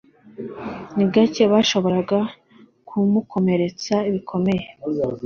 ni gake bashoboraga kumukomeretsa bikomeye